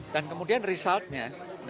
dan kemudian resultnya